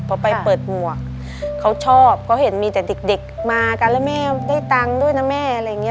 พอไปเปิดหมวกเขาชอบเขาเห็นมีแต่เด็กมากันแล้วแม่ได้ตังค์ด้วยนะแม่อะไรอย่างนี้